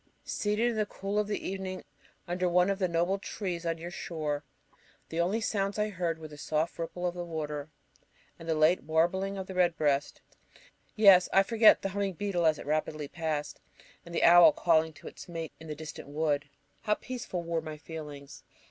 Seated in the cool of the evening under one of the noble trees on your shore, the only sounds I heard were the soft ripple of the water, and the late warbling of the redbreast Yes, I forget the humming beetle as it rapidly passed, and the owl calling to its mate in the distant wood. How peaceful were my feelings!